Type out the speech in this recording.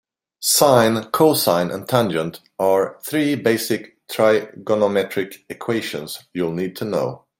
Sine, cosine and tangent are three basic trigonometric equations you'll need to know.